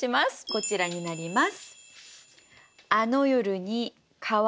こちらになります。